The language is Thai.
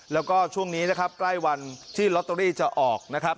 แล้วก็ช่วงนี้นะครับใกล้วันที่ลอตเตอรี่จะออกนะครับ